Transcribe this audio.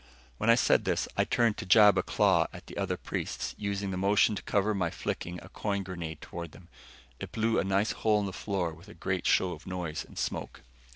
When I said this, I turned to jab a claw at the other priests, using the motion to cover my flicking a coin grenade toward them. It blew a nice hole in the floor with a great show of noise and smoke.